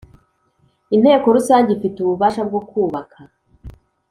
Inteko Rusange ifite ububasha bwo kubaka